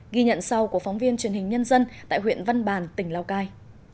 ghi nhận sau của phóng viên truyền hình nhân dân tại huyện văn bàn tỉnh lào cai